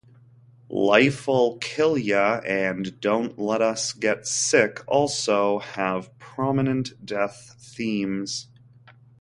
"Life'll Kill Ya" and "Don't Let Us Get Sick" also have prominent death themes.